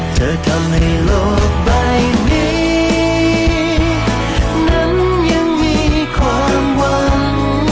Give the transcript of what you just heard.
เธอทำให้โลกใบนี้นั้นยังมีความหวัง